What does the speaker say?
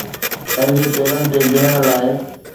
پنهنجي پيرن تي بيهڻ لاءِ